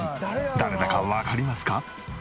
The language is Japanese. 誰だかわかりますか？